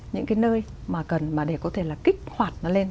những cái nơi mà cần mà để có thể là kích hoạt nó lên